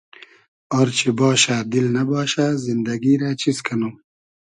آر چی باشۂ دیل نئباشۂ زیندئگی رۂ چیز کئنوم